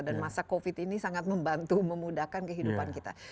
dan masa covid ini sangat membantu memudahkan kehidupan kita